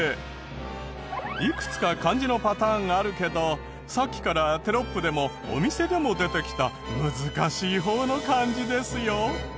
いくつか漢字のパターンがあるけどさっきからテロップでもお店でも出てきた難しい方の漢字ですよ。